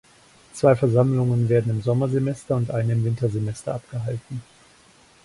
Zwei Versammlungen werden im Sommersemester und eine im Wintersemester abgehalten.